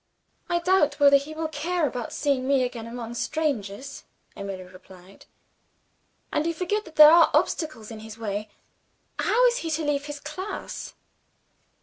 "I doubt whether he will care about seeing me again, among strangers," Emily replied. "And you forget that there are obstacles in his way. How is he to leave his class?"